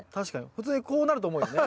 普通にこうなると思うよね。